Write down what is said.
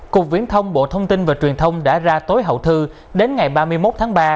cục viễn thông bộ thông tin và truyền thông đã ra tối hậu thư đến ngày ba mươi một tháng ba